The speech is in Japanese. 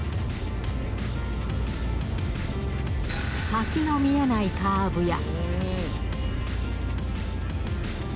先の見えないカーブや。